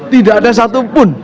tidak ada satupun